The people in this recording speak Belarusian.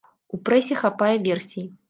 У прэсе хапае версій.